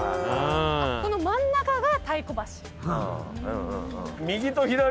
この真ん中が太鼓橋？